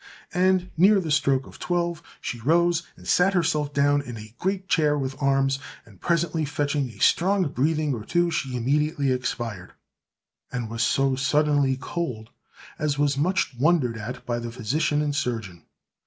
And near the stroke of twelve, she rose and sat herself down in a great chair with arms, and presently fetching a strong breathing or two, she immediately expired, and was so suddenly cold as was much wondered at by the physician and surgeon.